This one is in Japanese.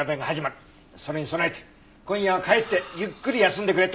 それに備えて今夜は帰ってゆっくり休んでくれと。